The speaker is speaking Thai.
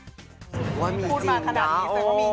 พูดมาขนาดนี้แต่ก็มีจริง